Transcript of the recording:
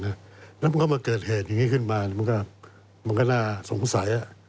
แล้วมันก็มาเกิดเหตุอย่างนี้ขึ้นมามันก็น่าสงสัย